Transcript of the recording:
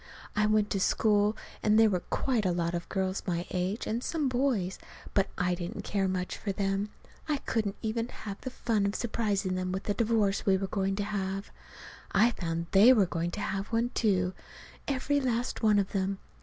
I went to school, and there were quite a lot of girls my age, and some boys; but I didn't care much for them. I couldn't even have the fun of surprising them with the divorce we were going to have. I found they were going to have one, too every last one of them.